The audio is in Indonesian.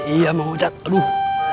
iya mang ocat aduh